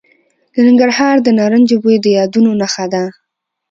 د ننګرهار د نارنجو بوی د یادونو نښه ده.